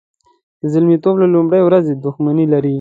د زلمیتوب له لومړۍ ورځې دښمني لري.